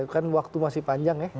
kan waktu masih panjang ya